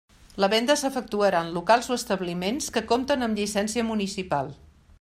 La venda s'efectuarà en locals o establiments que compten amb llicència municipal.